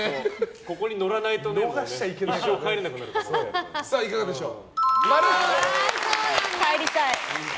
ここに乗らないといかがでしょう？